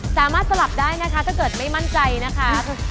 สลับได้นะคะถ้าเกิดไม่มั่นใจนะคะ